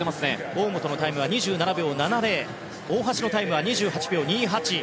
大本のタイムは２７秒７０大橋のタイムは２８秒２８。